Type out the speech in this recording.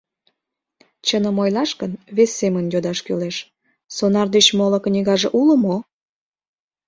Чыным ойлаш гын, вес семын йодаш кӱлеш: сонар деч моло книгаже уло мо?